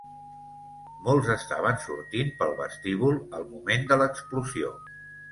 Molts estaven sortint pel vestíbul al moment de l'explosió.